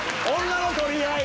女の取り合い！